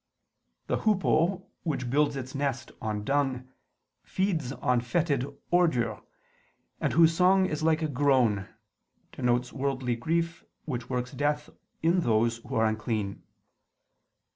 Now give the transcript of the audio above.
The hoopoe, which builds its nest on dung, feeds on foetid ordure, and whose song is like a groan, denotes worldly grief which works death in those who are unclean.